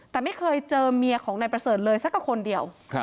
แต่ไม่เคยเจอเมียของนายประเสริฐเลยสักคนเดียว